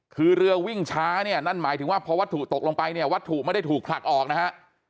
คือเรือวิ่งช้าเนี่ยนั่นหมายถึงว่าพอวัตถุตกลงไปเนี่ยวัตถุไม่ได้ถูกผลักออกนะฮะ